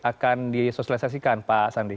akan disosialisasikan pak sandi